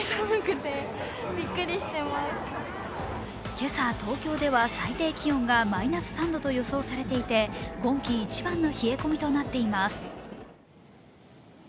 今朝、東京では最低気温がマイナス３度と予想されていて、今季一番の冷え込みとなっています。